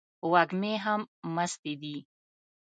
وږمې هم مستې دي